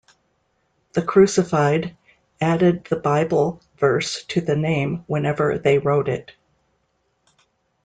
The Crucified added the Bible verse to the name whenever they wrote it.